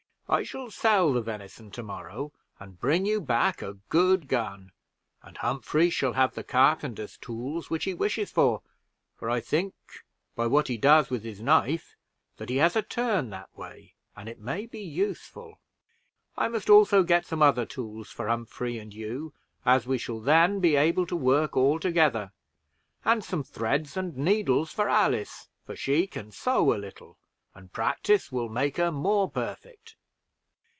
I shall sell the venison to morrow, and bring you back a good gun; and Humphrey shall have the carpenters' tools which he wishes for, for I think, by what he does with his knife, that he has a turn that way, and it may be useful. I must also get some other tools for Humphrey and you, as we shall then be able to work all together; and some threads and needles for Alice, for she can sew a little, and practice will make her more perfect."